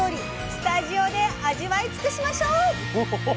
スタジオで味わい尽くしましょう！